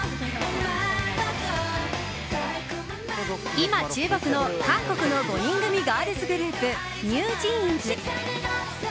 今、注目の韓国の５人組ガールズグループＮｅｗＪｅａｎｓ。